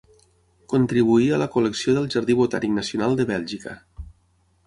Contribuí a la col·lecció del Jardí botànic nacional de Bèlgica.